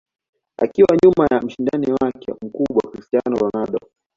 akiwa nyuma ya mshindani wake mkubwa Cristiano Ronaldo